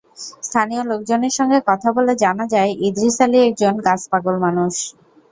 স্থানীয় লোকজনের সঙ্গে কথা বলে জানা যায়, ইদ্রিস আলী একজন গাছপাগল মানুষ।